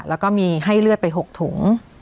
แล้วก็มีให้เลือดไป๖ถุง